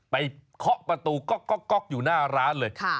เคาะประตูก๊อกอยู่หน้าร้านเลย